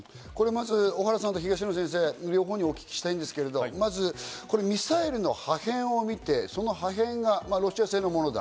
小原さん、東野先生、両方にお聞きしたいんですが、まずミサイルの破片を見て、その破片がロシア製のものだ。